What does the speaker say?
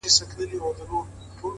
هره پوښتنه د پوهېدو زینه ده.!